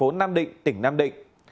tỉnh nam định xã lộc hòa tp nam định